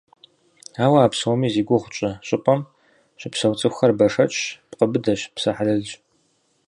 Ауэ а псоми зи гугъу тщӏы щӏыпӏэм щыпсэу цӏыхухэр бэшэчщ, пкъы быдэщ, псэ хьэлэлщ.